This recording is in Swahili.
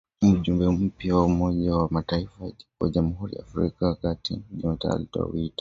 Mjumbe mpya wa Umoja wa mataifa kwa Jamhuri ya Afrika ya kati siku ya Jumatano alitoa wito